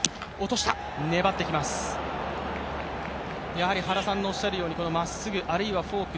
やはり原さんのおっしゃるようにまっすぐ、あるいはフォーク